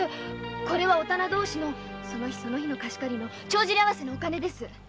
これはお店同士のその日その日の貸し借りの帳尻合わせのお金です。